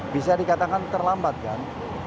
bisa dikatakan terlambat kan